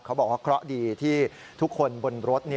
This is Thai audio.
เขาบอกว่าเคราะห์ดีที่ทุกคนบนรถ